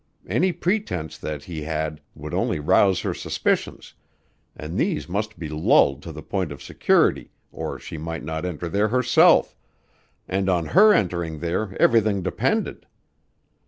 Any pretense that he had would only rouse her suspicions, and these must be lulled to the point of security, or she might not enter there herself, and on her entering there everything depended.